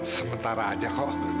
sementara aja kok